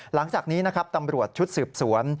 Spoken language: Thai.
หลังจากนี้นะครับตำรวจชุดสืบสวน